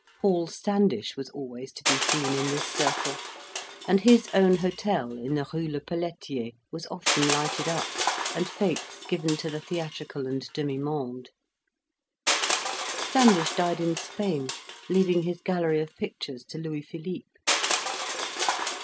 Hall Standish was always to be seen in this circle; and his own hotel in the Rue le Pelletier was often lighted up, and fetes given to the theatrical and demi monde. Standish died in Spain, leaving his gallery of pictures to Louis Philippe.